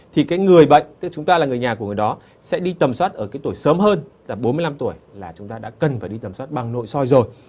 thì cái người bệnh tức chúng ta là người nhà của người đó sẽ đi tầm soát ở cái tuổi sớm hơn là bốn mươi năm tuổi là chúng ta đã cần phải đi tầm soát bằng nội soi rồi